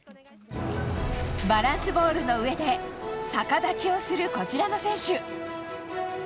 バランスボールの上で逆立ちをする、こちらの選手。